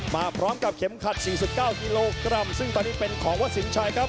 มาพร้อมกับเข็มขัด๔๙กิโลกรัมซึ่งตอนนี้เป็นของวัดสินชัยครับ